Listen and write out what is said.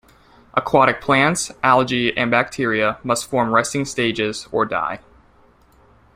Aquatic plants, algae, and bacteria must form resting stages or die.